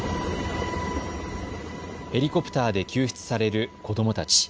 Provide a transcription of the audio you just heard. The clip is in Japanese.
ヘリコプターで救出される子どもたち。